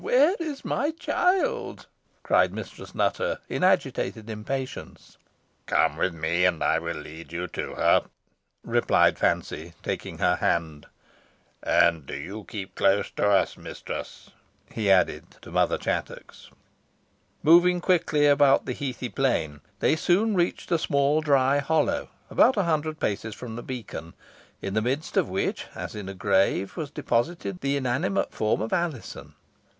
where is my child?" cried Mistress Nutter, in agitated impatience. "Come with me, and I will lead you to her," replied Fancy, taking her hand; "and do you keep close to us, mistress," he added to Mother Chattox. Moving quickly along the heathy plain, they soon reached a small dry hollow, about a hundred paces from the beacon, in the midst of which, as in a grave, was deposited the inanimate form of Alizon.